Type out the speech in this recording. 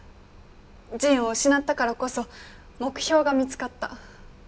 仁を失ったからこそ目標が見つかった。